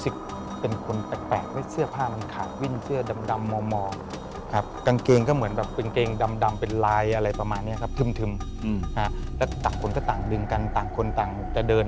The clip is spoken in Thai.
คือขึ้นไปนอนบนแท่นนั้นเลย